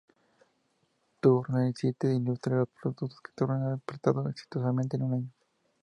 Turner City ilustra los proyectos que Turner ha completado exitosamente en un año.